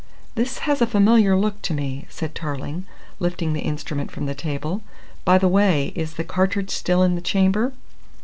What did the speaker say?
"This has a familiar look to me," said Tarling, lifting the instrument from the table. "By the way, is the cartridge still in the chamber?"